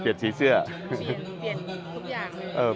เปลี่ยนทุกอย่างเลย